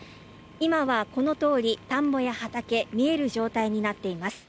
今はこのとおり田んぼや畑見える状態になっています。